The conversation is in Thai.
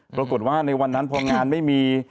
ปรากฏว่าในวันนั้นพองานไม่มี